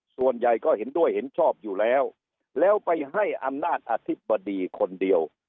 ส่วนใหญ่ก็เห็นด้วยเห็นชอบอยู่แล้วแล้วไปให้อำนาจอธิบดีคนเดียว